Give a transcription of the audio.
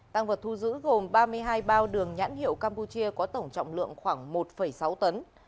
tăng vật thu giữ gồm ba mươi hai bao đường nhãn hiệu campuchia có tổng trọng lượng khoảng một sáu tấn